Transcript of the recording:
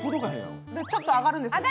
ちょっと上がるんですよ。